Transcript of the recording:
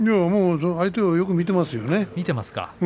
相手をよく見ていますよね。